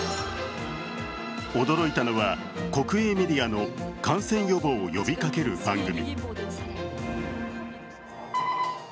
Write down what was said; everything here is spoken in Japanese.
驚いたのは国営メディアの感染予防を呼びかける番組。